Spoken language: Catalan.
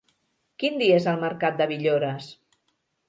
Quin dia és el mercat de Villores?